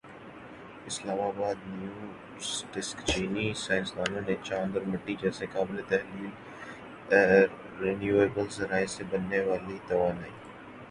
اسلام آبادنیو زڈیسکچینی سائنسدانوں نے چاند اور مٹی جیسے قابلِ تحلیل رینیوایبل ذرائع سے بننے والی توانائی